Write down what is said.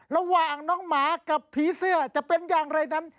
ระหว่างน้องหมากับผีเสื้อจะเป็นอย่างไรนั้น